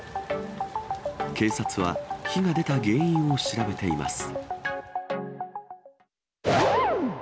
警察は、火が出た原因を調べています。